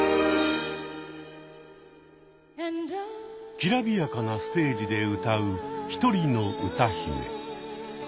きらびやかなステージで歌う１人の歌姫。